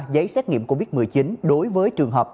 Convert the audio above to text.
giấy xét nghiệm covid một mươi chín đối với trường hợp